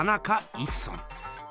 一村？